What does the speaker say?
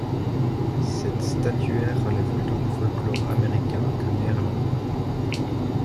Cette statuaire relève plutôt du folklore américain que néerlandais.